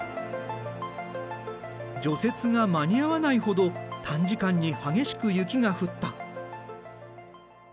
除雪が間に合わないほど短時間に激しく雪が降った。